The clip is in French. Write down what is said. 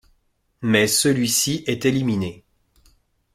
Mais celui-ci est éliminé.